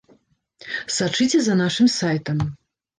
Сачыце за нашым сайтам.